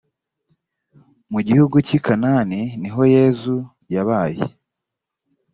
mu gihugu cy i kanani niho yezu yabaye